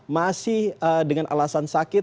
masih dengan alasan sakit